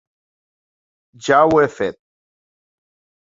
Ja ho he fet.